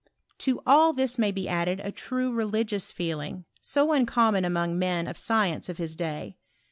To all thb may be added a tnie religioos feeling, so oncommon among men of science of his day.